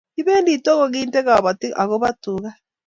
Kipend Togo kente kabatik ako ba tuka